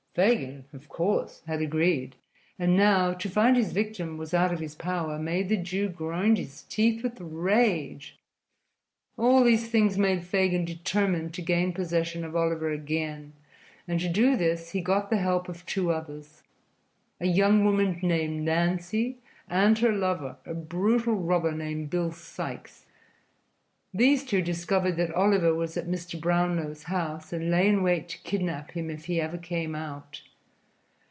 Fagin, of course, had agreed, and now, to find his victim was out of his power made the Jew grind his teeth with rage. All these things made Fagin determined to gain possession of Oliver again, and to do this he got the help of two others a young woman named Nancy and her lover, a brutal robber named Bill Sikes. These two discovered that Oliver was at Mr. Brownlow's house, and lay in wait to kidnap him if he ever came out.